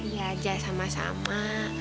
iya aja sama sama